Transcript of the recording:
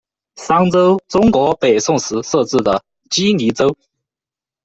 商州，中国北宋时设置的羁縻州。